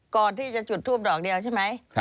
ก่อนที่จะจุดทูปดอกเดียวใช่ไหม